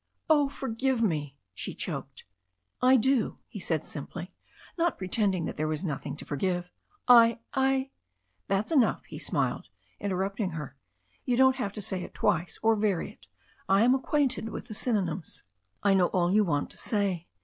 "Oh, forgive me " she choked. 'T do," he said simply, not pretending that there was noth ing to forgive. "I— I '' "That's enough," he smiled, interrupting her. "You don't have to say it twice, or vary it. I am acquainted with the S3monyms. I know all you want to say.